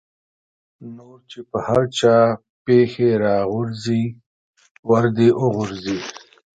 نور چې په هر چا پېښې را غورځي ور دې وغورځي.